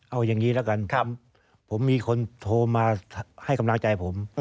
เอาอย่างนี้แล้วกันผมมีคนโทรมาให้กำลังใจผม